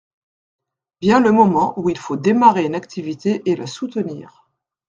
Vient le moment où il faut démarrer une activité et la soutenir.